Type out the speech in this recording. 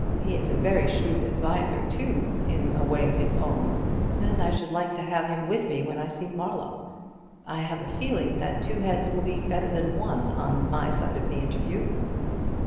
He is a very shrewd adviser, too, in a way of his own; and I should like to have him with me when I see Marlowe. I have a feeling that two heads will be better than one on my side of the interview."